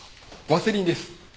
ワセリンです。